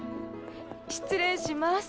失礼します。